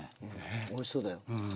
おいしそうだよ。